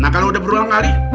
nah kalau udah berulang kali